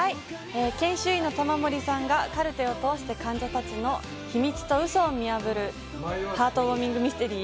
研修医の玉森さんが、カルテを通して感じた秘密と嘘を見破るハートウォーミングミステリー